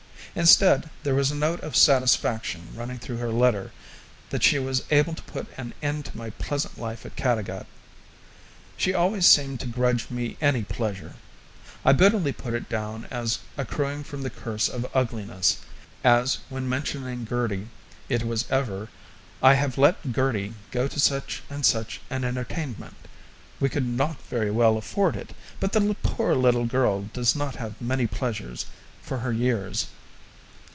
Instead, there was a note of satisfaction running through her letter that she was able to put an end to my pleasant life at Caddagat. She always seemed to grudge me any pleasure. I bitterly put it down as accruing from the curse of ugliness, as, when mentioning Gertie, it was ever, "I have let Gertie go to such and such an entertainment. We could not very well afford it, but the poor little girl does not have many pleasures for her years."